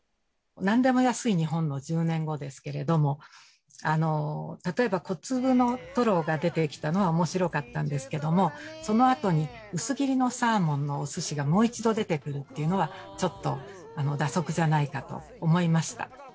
何でも安い日本の１０年後ですけれども例えば小粒のトロが出てきたのはおもしろかったんですけどもそのあとに薄切りのサーモンのお寿司がもう一度出てくるっていうのはちょっと蛇足じゃないかと思いました。